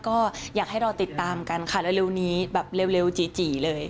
ก็อยากให้รอติดตามกันค่ะเร็วนี้แบบเร็วจี่เลย